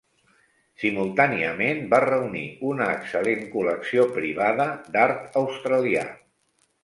Simultàniament, va reunir una excel·lent col·lecció privada d'art australià.